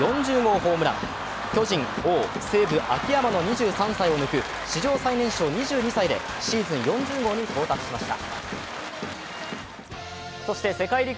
両リーグトップＪの４０号ホームラン巨人・王、西武・秋山の２３歳を抜く史上最年少２２歳でシーズン４０号に到達しました。